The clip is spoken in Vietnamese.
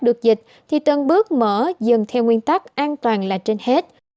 được dịch thì tân bước mở dần theo nguyên tắc an toàn là trên hết